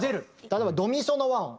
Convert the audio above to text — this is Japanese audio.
例えば「ドミソ」の和音。